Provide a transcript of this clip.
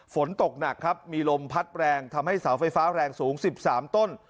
ฝนตกหนักครับมีลมพัดแรงทำให้เสาไฟฟ้าแรงสูง๑๓ต้น